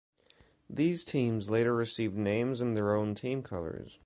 These teams later received names and their own team color.